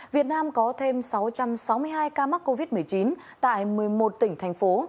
việt nam có thêm sáu trăm sáu mươi hai ca mắc covid một mươi chín tại một mươi một tỉnh thành phố